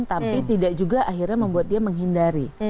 tapi tidak juga akhirnya membuat dia menghindari